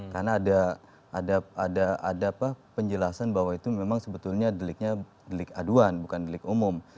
karena ada penjelasan bahwa itu memang sebetulnya deliknya delik aduan bukan delik umum